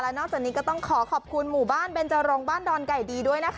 นอกจากนี้ก็ต้องขอขอบคุณหมู่บ้านเบนจรงบ้านดอนไก่ดีด้วยนะคะ